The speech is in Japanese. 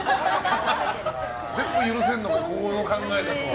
全部許せるのか、この考えだと。